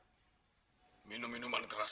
saya minum minuman keras